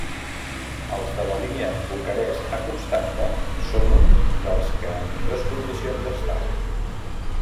Els de la línia Bucarest a Constanta són un dels que en millors condicions estan.